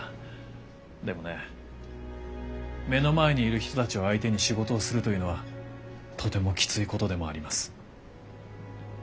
でもね目の前にいる人たちを相手に仕事をするというのはとてもきついことでもあります。